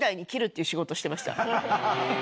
いう仕事してました。